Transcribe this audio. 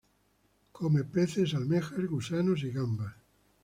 Come peces, almejas, gusanos y gambas.